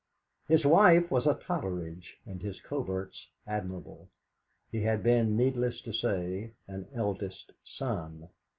His wife was a Totteridge, and his coverts admirable. He had been, needless to say, an eldest son.